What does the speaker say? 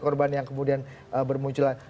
korban yang kemudian bermunculan